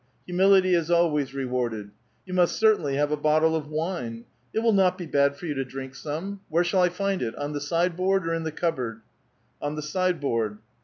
Humility is always re warded. You must ceitainly have a bottle of wine. It will not he bad for you to drink some. Where shall 1 find it ? on the sideboard or in the cupboard?" '' On the sideboard."